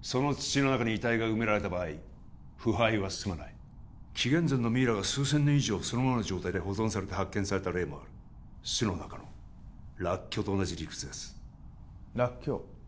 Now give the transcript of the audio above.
その土の中に遺体が埋められた場合腐敗は進まない紀元前のミイラが数千年以上そのままの状態で保存されて発見された例もある酢の中のらっきょうと同じ理屈ですらっきょう？